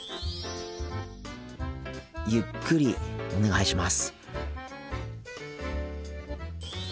ゆっくりお願いします。